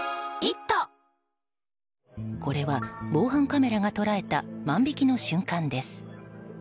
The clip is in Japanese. これは、防犯カメラが捉えた万引きの瞬間です。